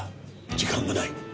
時間がない。